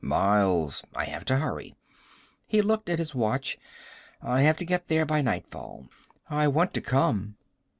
Miles. I have to hurry." He looked at his watch. "I have to get there by nightfall." "I want to come."